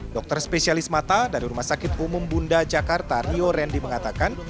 dokter spesialis mata dari rumah sakit umum bunda jakarta rio randy mengatakan